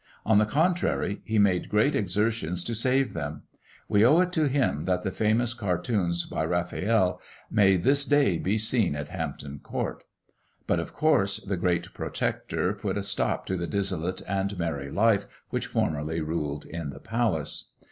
On the contrary, he made great exertions to save them; we owe it to him that the famous cartoons by Raphael may this day be seen at Hampton Court. But, of course, the Great Protector put a stop to the dissolute and merry life which formerly ruled in the palace.